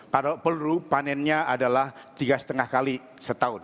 kalau peluru panennya adalah tiga lima kali setahun